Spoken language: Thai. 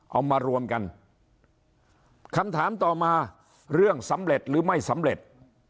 เอามารวมกันคำถามต่อมาเรื่องสำเร็จหรือไม่สำเร็จ